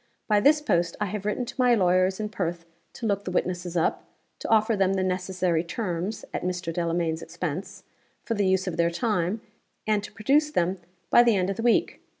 By this post I have written to my lawyers in Perth to look the witnesses up; to offer them the necessary terms (at Mr. Delamayn's expense) for the use of their time; and to produce them by the end of the week.